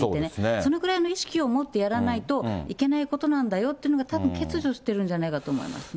そのぐらいの意識を持ってやらないといけないことなんだよっていうのが、たぶん欠如してるんじゃないかと思いますね。